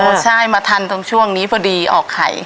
ใช่มาทันตรงช่วงนี้พอดีออกไข่